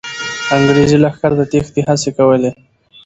انګریزي لښکر د تېښتې هڅې کولې.